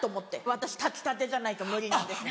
私炊きたてじゃないと無理なんです。